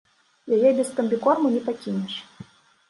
Яе без камбікорму не пакінеш.